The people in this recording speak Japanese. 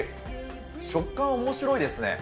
食感がおもしろいですね。